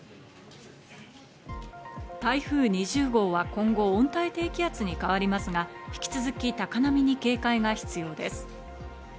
台風２０号は今後、温帯低気圧に変わりますが、引き続き高波に警戒が必要です。